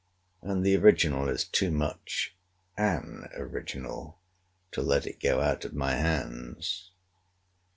And the original is too much an original to let it go out of my hands.